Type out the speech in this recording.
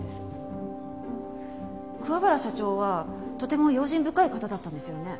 桑原社長はとても用心深い方だったんですよね？